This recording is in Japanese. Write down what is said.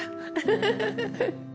フフフフ！